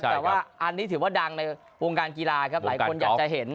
แต่ว่าอันนี้ถือว่าดังในวงการกีฬาครับหลายคนอยากจะเห็น